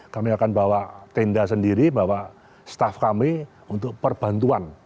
kami akan bawa tenda sendiri bawa staff kami untuk perbantuan